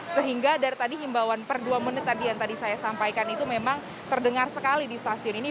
sehingga dari tadi himbauan per dua menit tadi yang tadi saya sampaikan itu memang terdengar sekali di stasiun ini